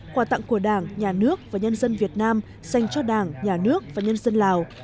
quà tặng của đảng nhà nước và nhân dân việt nam dành cho đảng nhà nước và nhân dân lào